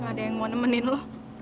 ada yang mau nemenin loh